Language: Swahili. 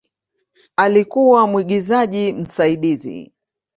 Alikuwa mwigizaji msaidizi.